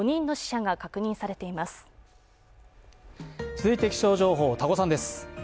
続いて気象情報、多胡さんです。